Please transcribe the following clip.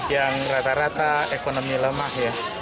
yang rata rata ekonomi lemah ya